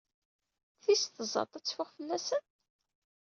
Tis tẓat ad teffeɣ fell-asen?